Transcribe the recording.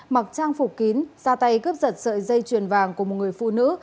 mặc trang phục kín ra tay cướp giật sợi dây chuyền vàng của một người phụ nữ